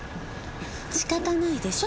仕方ないでしょ